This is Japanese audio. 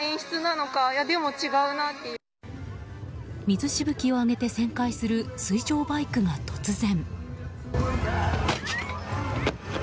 水しぶきを上げて旋回する水上バイクが突然。